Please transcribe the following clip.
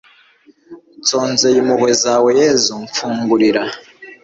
nsonzeye impuhwe zawe yezu mfungurira